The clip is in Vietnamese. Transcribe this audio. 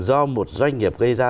do một doanh nghiệp gây ra